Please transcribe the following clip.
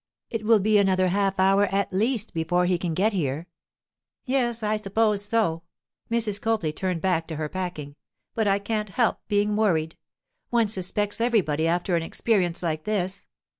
It will be another half hour at least before he can get here.' 'Yes, I suppose so'—Mrs. Copley turned back to her packing—'but I can't help being worried! One suspects everybody after an experience like this.